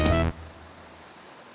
mana itu bang rupi